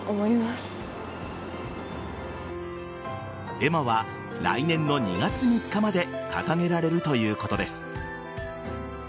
絵馬は来年の２月３日まで掲げられるということです。